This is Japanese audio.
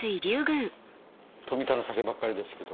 富田の酒ばっかりですけど。